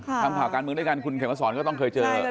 ทำข่าวการเมืองด้วยกันคุณเขมสอนก็ต้องเคยเจอ